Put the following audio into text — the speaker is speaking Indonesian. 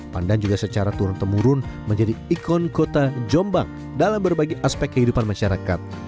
pandan juga secara turun temurun menjadi ikon kota jombang dalam berbagai aspek kehidupan masyarakat